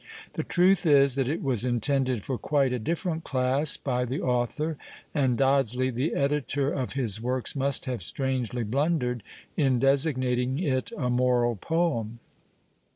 The truth is, that it was intended for quite a different class by the author, and Dodsley, the editor of his works, must have strangely blundered in designating it "a moral poem."